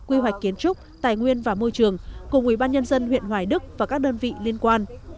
quy hoạch kiến trúc tài nguyên và môi trường cùng ubnd huyện hoài đức và các đơn vị liên quan